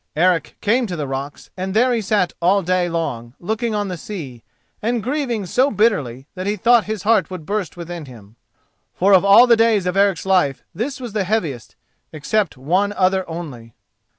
Eric came to the rocks, and there he sat all day long looking on the sea, and grieving so bitterly that he thought his heart would burst within him. For of all the days of Eric's life this was the heaviest, except one other only.